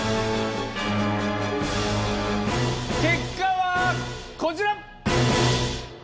結果はこちら！